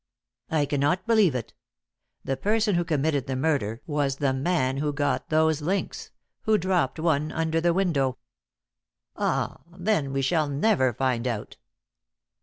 "I cannot believe it. The person who committed the murder was the man who got those links who dropped one under the window." "Ah then we shall never find out."